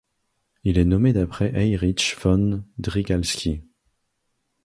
Il est nommé d'après Erich von Drygalski.